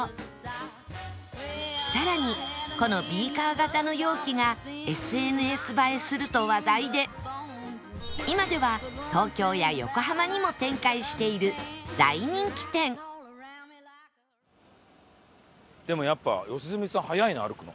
更にこのビーカー型の容器が ＳＮＳ 映えすると話題で今では東京や横浜にも展開している大人気店でもやっぱ良純さん速いな歩くの。